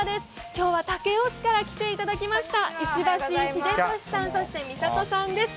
今日は武雄市から来ていただきました石橋秀敏さん、そして、美里さんです